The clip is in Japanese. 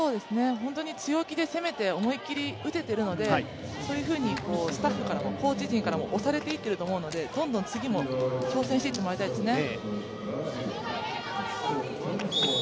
強気で攻めて、思いっきり打てているのでそういうふうにスタッフ、コーチ陣からも押されていっていると思うのでどんどん次も挑戦していってもらいたいですね。